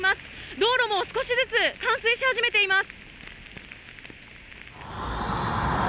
道路も少しずつ冠水し始めています。